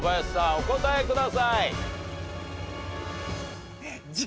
お答えください。